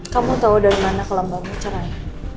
kamu tau dari mana kalau mbak mau cerai